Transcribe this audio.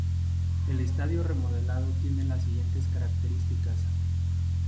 El estadio remodelado tiene las siguientes características.